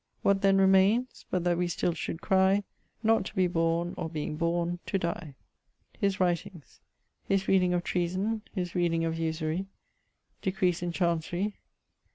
What then remaines? but that we still should cry Not to be borne, or, being borne, to dye. <_His writings._> His reading of Treason. His reading of Usurie. Decrees in Chancery.